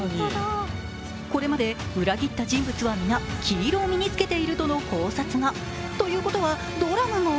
これまで裏切った人物は皆、黄色を身につけているという考察が。ということは、ドラムも？